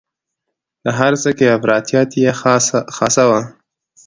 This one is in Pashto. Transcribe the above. په هر څه کې افراطیت یې خاصه وه.